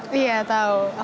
aku udah sempet lihat kelasnya